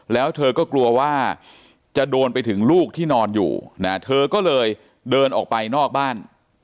แล้วเธอก็กลัวว่าจะโดนไปถึงลูกที่นอนอยู่นะเธอก็เลยเดินออกไปนอกบ้าน